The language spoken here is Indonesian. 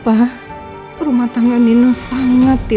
aku mah semangat